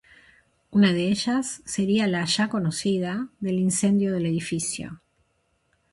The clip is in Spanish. Una de ellas sería la ya conocida del incendio del edificio.